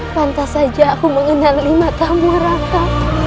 pantas saja aku mengenal lima tamu rasa